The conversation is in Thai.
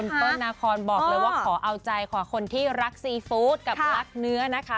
เปิ้ลนาคอนบอกเลยว่าขอเอาใจขอคนที่รักซีฟู้ดกับรักเนื้อนะคะ